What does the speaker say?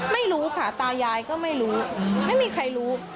ไม่รู้ค่ะตายายก็ไม่รู้ไม่มีใครรู้